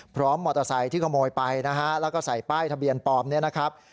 มอเตอร์ไซค์ที่ขโมยไปนะฮะแล้วก็ใส่ป้ายทะเบียนปลอมเนี่ยนะครับ